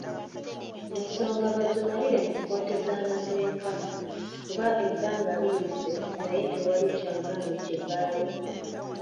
Ensonga bazimalire mu kkooti z'amateeka kuba ebbanga liyise naye tewali kyamaanyi kivaayo.